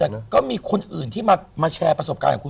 แต่ก็มีคนอื่นที่มาแชร์ประสบการณ์ของคุณ